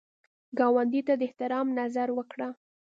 ګاونډي ته د احترام نظر وکړه